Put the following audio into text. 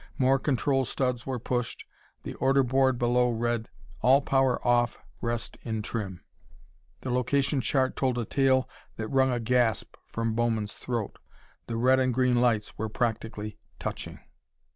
More control studs were pushed; the order board below read: "All Power Off, Rest in Trim." The location chart told a tale that wrung a gasp from Bowman's throat. The red and green lights were practically touching....